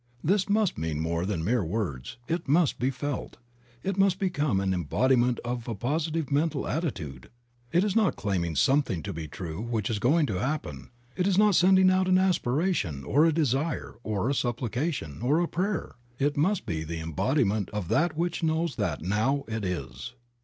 This must mean more than mere words; it must be felt, it must become an embodiment of a positive mental atti tude. It is not claiming something to be true which is going to happen; it is not sending out an aspiration, or a desire, or a supplication, or a prayer; it must be the embodiment of that which knows that now it is.